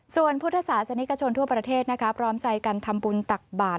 ส่วนพุทธศาสนิกชนทั่วประเทศพร้อมใจกันทำบุญตักบาท